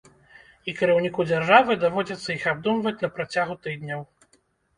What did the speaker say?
І кіраўніку дзяржавы даводзіцца іх абдумваць на працягу тыдняў.